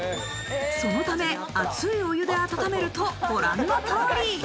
そのため、熱いお湯で温めると、ご覧の通り。